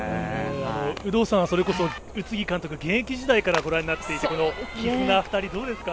有働さんはそれこそ宇津木監督を現役時代からご覧になっていてこの２人の絆どうですか。